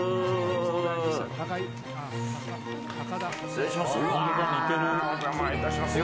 失礼いたします。